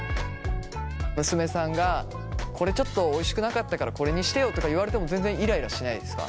娘さんがこれちょっとおいしくなかったからこれにしてよとか言われても全然イライラしないですか？